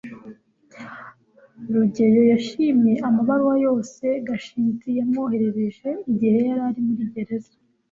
rugeyo yashimye amabaruwa yose gashinzi yamwoherereje igihe yari muri gereza